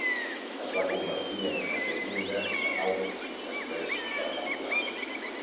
Es va convertir en un agent lliure de nou després de la temporada.